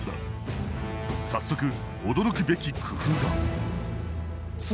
早速驚くべき工夫が。